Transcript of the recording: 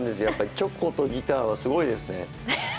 チョコとギターはすごいですね。